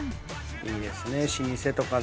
いいですね老舗とかね。